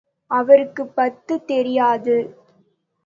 அவருக்கு பத்து தெரியாது.